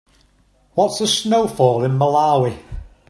What's the snowfall in Malawi?